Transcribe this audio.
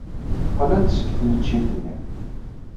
Qqlen-d seg tneččit-nni.